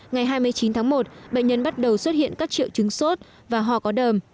ngày hai mươi chín tháng một bệnh nhân bắt đầu xuất hiện các triệu chứng sốt và ho có đờm